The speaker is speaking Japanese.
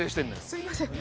すみません。